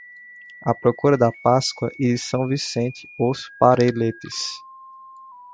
À procura da Páscoa e de São Vicente os parelletes.